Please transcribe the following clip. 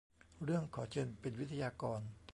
เรื่อง ขอเชิญเป็นวิทยากร